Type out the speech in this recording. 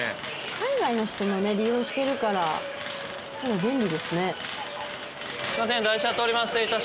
海外の人も利用してるから便利ですね。